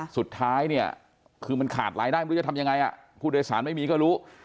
สุดท้ายเนี่ยคือมันขาดรายได้ไม่รู้จะทำยังไงผู้โดยสารไม่มีก็รู้